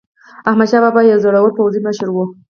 احمدشاه بابا یو زړور پوځي مشر و.